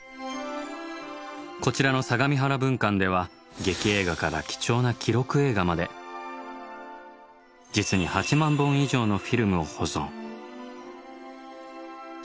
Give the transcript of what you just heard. こちらの相模原分館では劇映画から貴重な記録映画まで実に８万本以上のフィルムを保存。